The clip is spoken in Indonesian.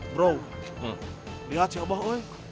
bro lihat si abah lo